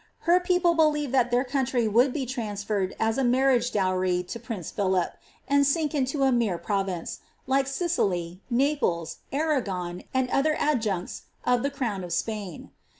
Her people believed that their country would be transferred as a marriage dowry to prince Philip, and sink into a mere province, like Sicily, Naples, Arragon. and other adjuncts of the crown of Spain.